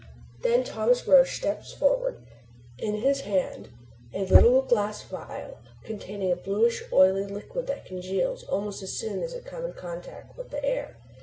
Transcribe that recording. Then Thomas Roch steps forward. In his hand is a little glass phial containing a bluish, oily liquid that congeals almost as soon as it comes in contact with the air.